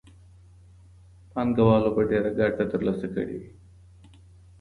پانګوالو به ډېره ګټه ترلاسه کړې وي.